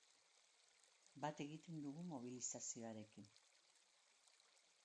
Bat egiten dugu mobilizazioarekin!